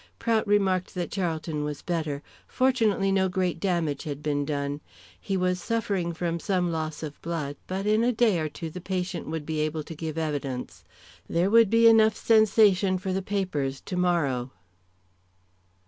Prout remarked that Charlton was better. Fortunately no great damage had been done. He was suffering from some loss of blood, but in a day or two the patient would be able to give evidence. There would be enough sensation for the papers tomorrow.